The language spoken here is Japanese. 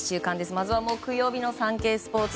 まずは木曜日のサンケイスポーツ。